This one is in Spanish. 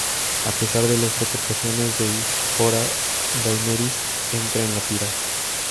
A pesar de las preocupaciones de Jorah, Daenerys entra en la pira.